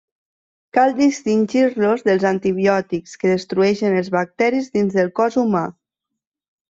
Cal distingir-los dels antibiòtics, que destrueixen els bacteris dins del cos humà.